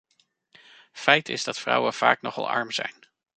Feit is dat vrouwen vaak nogal arm zijn.